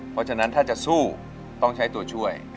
เพราะฉะนั้นถ้าจะสู้ต้องใช้ตัวช่วย